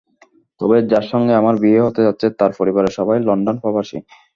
তবে যার সঙ্গে আমার বিয়ে হতে যাচ্ছে, তার পরিবারের সবাই লন্ডনপ্রবাসী।